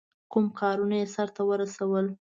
کوم کارونه یې سرته ورسول.